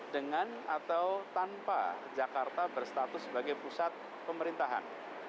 dengan atau tanpa jakarta berstatus sebagai pusat pemerintahan